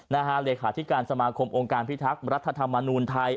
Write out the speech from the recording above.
เลขาธิการสมาคมองค์การพิทักษ์รัฐธรรมนูลไทย